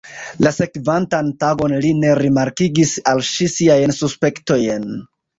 La sekvintan tagon li ne rimarkigis al ŝi siajn suspektojn.